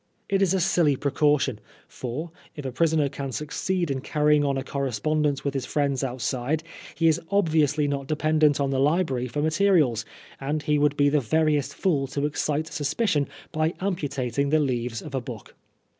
It is a silly precaution, for if a prisoner can succeed in carrying on a correspondence with his friends outside, he is obviously not dependent on the library for materials, and he would be the veriest fool to excite suspicion by amputating the leaves of a book.